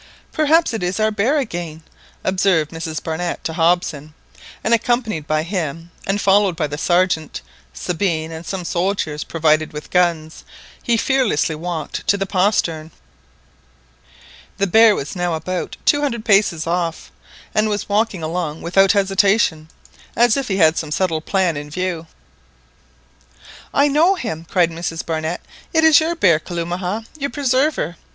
"Perhaps it is only our bear again," observed Mrs Barnett to Hobson, and accompanied by him, and followed by the Sergeant, Sabine, and some soldiers provided with guns,—he fearlessly walked to the postern. The bear was now about two hundred paces off, and was walking along without hesitation, as if he had some settled plan in view. "I know him!" cried Mrs Barnett, "it is your bear, Kalumah, your preserver!"